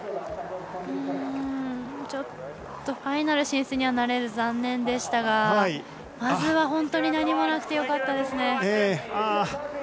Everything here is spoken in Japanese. ファイナル進出にはなれず残念でしたがまずは本当に何もなくてよかったですね。